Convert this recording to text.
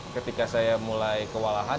ketika saya mulai kewalahan